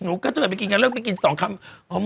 หนูกระเทยไปกินกันเลิกไปกิน๒คัม